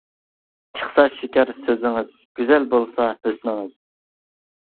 چىقسا شېكەر سۆزىڭىز، گۈزەل بولسا ھۆسنىڭىز!